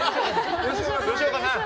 吉岡さん！